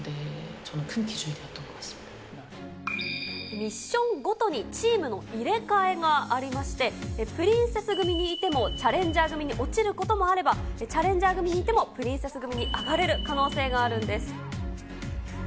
ミッションごとにチームの入れ替えがありまして、プリンセス組にいても、チャレンジャー組に落ちることもあれば、チャレンジャー組にいてもプリンセス組に上がれる可能性があるんです。